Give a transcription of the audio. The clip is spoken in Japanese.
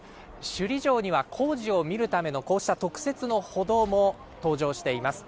首里城には工事を見るためのこうした特設の歩道も登場しています。